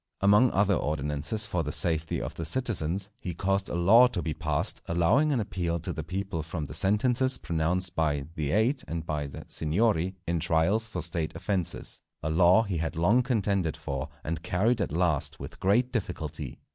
Among other ordinances for the safety of the citizens, he caused a law to be passed, allowing an appeal to the people from the sentences pronounced by "the Eight" and by the "Signory" in trials for State offences; a law he had long contended for, and carried at last with great difficulty.